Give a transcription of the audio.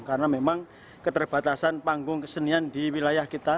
karena memang keterbatasan panggung kesenian di wilayah kita